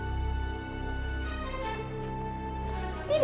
biar kamu tuh jadi orang gak nyusahin hidupnya